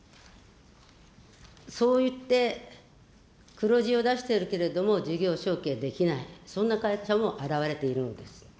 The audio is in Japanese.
そういって黒字を出しているけれども、事業承継できない、そんな会社も現れているのです。